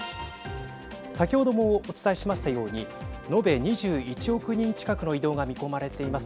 先ほどもお伝えしましたように延べ２１億人近くの移動が見込まれています。